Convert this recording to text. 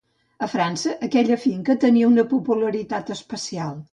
A França, aquella finca tenia una popularitat especial.